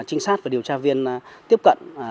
trinh sát và điều tra viên tiếp cận